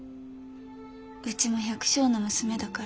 うちも百姓の娘だから。